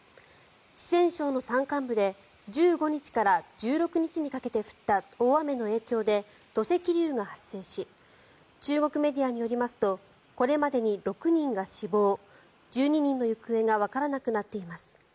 四川省の山間部で１５日から１６日にかけて降った大雨の影響で土石流が発生し中国メディアによりますとこれまでに６人が死亡１２人の行方がわからなくなっています。